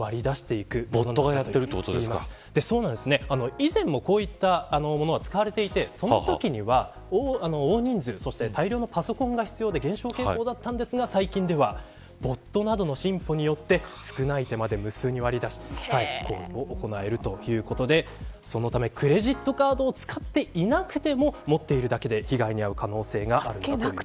以前もこういうものは使われていてそのときは大人数と大量のパソコンが必要で減少傾向でしたが最近はｂｏｔなどの進歩によって少ない手間で無数に割り出し行為を行えるということでクレジットカードを使っていなくても持っているだけで被害に遭う可能性がある。